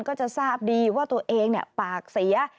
ก็จะทราบดีว่าตัวเองปากเสีย